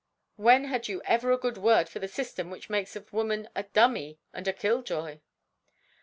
"When had you ever a good word for the system which makes of woman a dummy and a kill joy?"